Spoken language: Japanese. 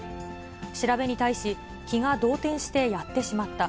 調べに対し、気が動転してやってしまった。